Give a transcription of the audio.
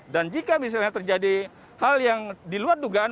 dan jika misalnya terjadi hal yang diluar dugaan